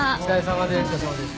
お疲れさまです。